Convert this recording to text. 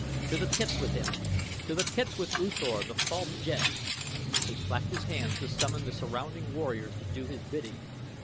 To the pits with him! To the pits with U Thor the false jed!" He clapped his hands to summon the surrounding warriors to do his bidding.